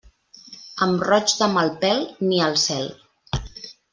Amb roig de mal pèl, ni al cel.